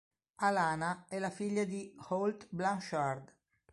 Alana è la figlia di Holt Blanchard.